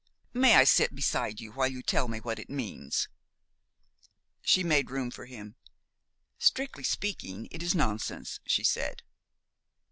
May I sit beside you while you tell me what it means?" She made room for him. "Strictly speaking, it is nonsense," she said.